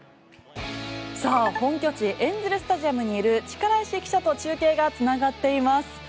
本拠地エンゼル・スタジアムにいる力石記者と中継が繋がっています。